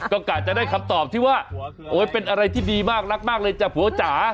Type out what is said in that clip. ก็กะจะได้คำตอบที่ว่าโอ๊ยเป็นอะไรที่ดีมากรักมากเลยจ้ะผัวจ๋า